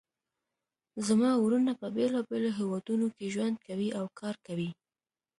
زما وروڼه په بیلابیلو هیوادونو کې ژوند کوي او کار کوي